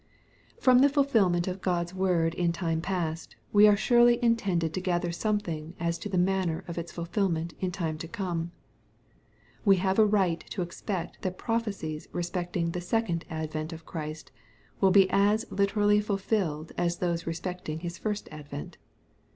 From the fulfilment of God's word in time past, we are surely intended to gather something as to the manner of its fulfilment in time to come. We have a right to expect that prophecies respecting the second advent of Christ, will be as literally fulfilled as those respecting His first advent.